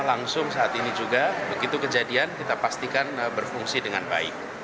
langsung saat ini juga begitu kejadian kita pastikan berfungsi dengan baik